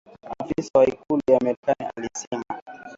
afisa wa ikulu ya Marekani alisema